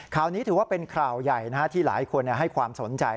ข่าวนี้ถือว่าเป็นข่าวใหญ่ที่หลายคนให้ความสนใจ